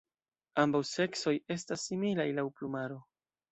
Ambaŭ seksoj estas similaj laŭ plumaro.